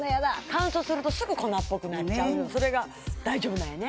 乾燥するとすぐ粉っぽくなっちゃうそれが大丈夫なんやね